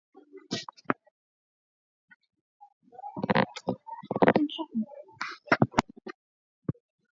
mbaya kitendo hiki nacho kilichukuliwa kama lugha